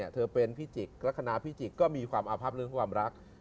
เธอเป็นพี่จิกลักษณะพี่จิกก็มีความอาพับเรื่องความรัก